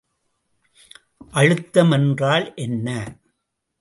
அழுத்தம் என்றால் என்ன?